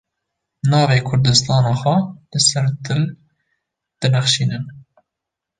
Navê kurdistana xwe li ser dil dinexşînin.